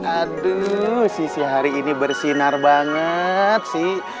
aduh sisi hari ini bersinar banget sih